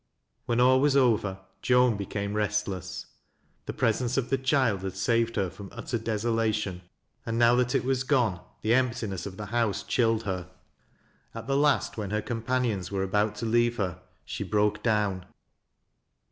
"When all was over, Joan became restless. The presence of the child had saved her from utter desolation, and now that it was gone, the emptiness of the house chilled her. At the last, when her companions were about to leave her, she broke down.